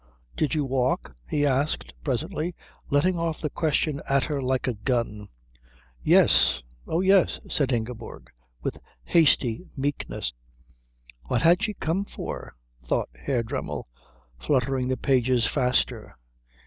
"Did you walk?" he asked presently, letting off the question at her like a gun. "Yes oh, yes," said Ingeborg, with hasty meekness. What had she come for? thought Herr Dremmel, fluttering the pages faster.